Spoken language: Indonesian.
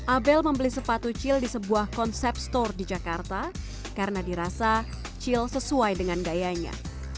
abel membeli sepatu chil di sebuah konsep store di jakarta karena dirasa chil sesuai dengan gayanya